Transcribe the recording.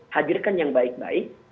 hadirkan yang baik baik